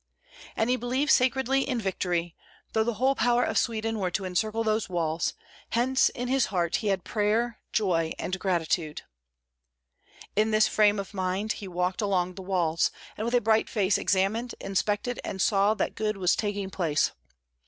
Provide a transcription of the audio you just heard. And he believed sacredly in victory, though the whole power of Sweden were to encircle those walls; hence in his heart he had prayer, joy, and gratitude. In this frame of mind he walked along the walls, and with a bright face examined, inspected, and saw that good was taking place.